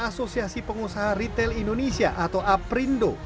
asosiasi pengusaha retail indonesia atau aprindo